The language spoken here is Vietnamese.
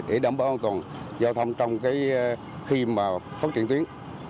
để đảm bảo an toàn giao thông trong khi mà phát triển tuyến